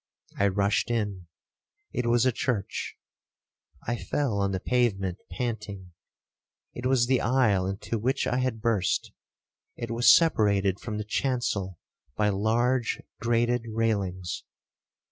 I rushed in—it was a church. I fell on the pavement panting. It was the aisle into which I had burst—it was separated from the chancel by large grated railings.